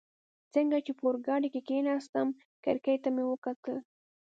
څنګه چي په اورګاډي کي کښېناستم، کړکۍ ته مې وکتل.